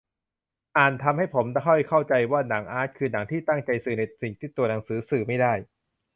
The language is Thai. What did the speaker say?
"อ่าน" ทำให้ผมได้เข้าใจว่า หนังอาร์ต คือหนังที่ตั้งใจสื่อในสิ่งที่ตัวหนังสือสื่อไม่ได้